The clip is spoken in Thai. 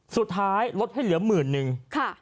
สุดท้ายลดให้เหลือ๑๐๐๐๐บาท